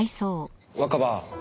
若葉